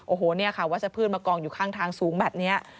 โอ้โฮวัชพืชมากองอยู่ข้างทางสูงแบบนี้